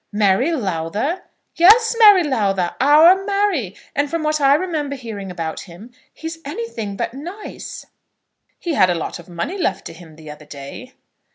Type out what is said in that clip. "Mary Lowther!" "Yes; Mary Lowther! Our Mary! And from what I remember hearing about him, he is anything but nice." "He had a lot of money left to him the other day."